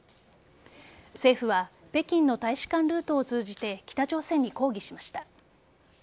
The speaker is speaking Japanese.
政府は北京の大使館ルートを通じて北朝鮮に抗議しました。